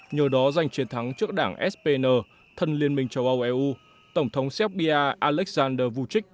nhờ đó giành chiến thắng trước đảng spn thân liên minh châu âu eu tổng thống serbia alexander vuchik